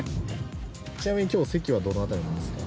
ちなみに今日席はどの辺りなんですか？